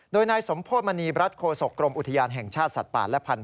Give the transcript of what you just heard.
โดยนายสมโพธิมณีรัฐโคศกรมอุทยานแห่งชาติสัตว์ป่าและพันธุ